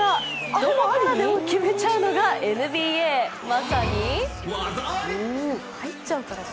どこからでも決めちゃうのがＮＢＡ、まさに技あり。